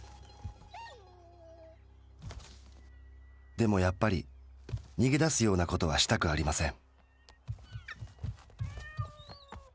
でもやっぱり逃げ出すようなことはしたくありません。